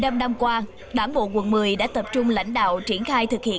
năm năm qua đảng bộ quận một mươi đã tập trung lãnh đạo triển khai thực hiện